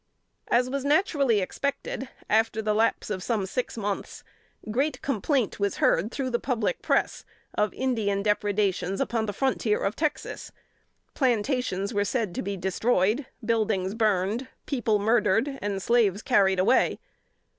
As was naturally expected, after the lapse of some six months, great complaint was heard through the public press of Indian depredations upon the frontier of Texas. Plantations were said to be destroyed; buildings burned; people murdered, and slaves carried away.